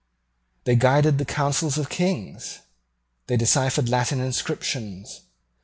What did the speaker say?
They guided the counsels of Kings. They deciphered Latin inscriptions.